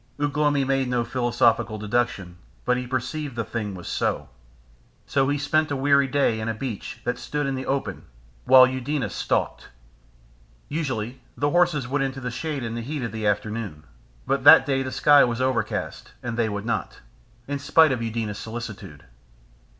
Ugh lomi made no philosophical deductions, but he perceived the thing was so. So he spent a weary day in a beech that stood in the open, while Eudena stalked. Usually the horses went into the shade in the heat of the afternoon, but that day the sky was overcast, and they would not, in spite of Eudena's solicitude.